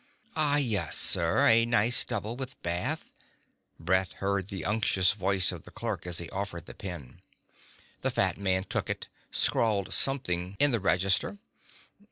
"Ah, yes, sir, a nice double with bath ..." Brett heard the unctuous voice of the clerk as he offered the pen. The fat man took it, scrawled something in the register.